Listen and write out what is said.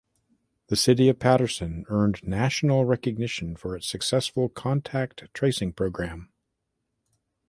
The City of Paterson earned national recognition for its successful contact tracing program.